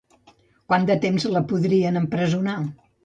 Quant de temps la podrien empresonar?